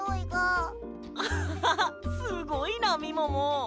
アッハハすごいなみもも。